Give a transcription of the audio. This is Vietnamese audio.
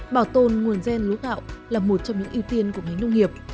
bảo tồn nguồn gen lúa gạo là một trong những ưu tiên của ngành nông nghiệp